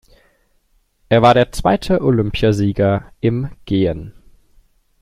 Er war der zweite Olympiasieger im Gehen.